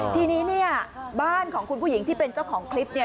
ทีนี้เนี่ยบ้านของคุณผู้หญิงที่เป็นเจ้าของคลิปเนี่ย